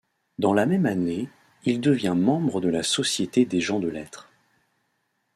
Dans la même année, il devient membre de la Société des gens de lettres.